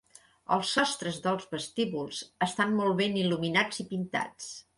Els sostres dels vestíbuls estan molt ben il·luminats i pintats.